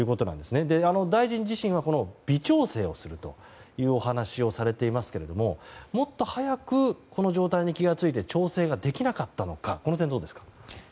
大臣自身は微調整をするというお話をされていますがもっと早くこの状態に気がついて調整ができなかったのかこの点、どうですか。